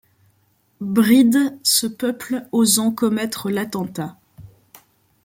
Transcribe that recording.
Bride, ce peuple osant commettre l'attentat